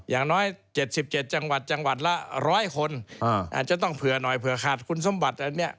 อย่างน้อย๗๗จังหวัดจังหวัดละ๑๐๐คนอาจจะต้องเผื่อหน่อยเผื่อขาดคุณสมบัติอันนี้